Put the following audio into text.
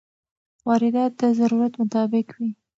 واردات د ضرورت مطابق وي.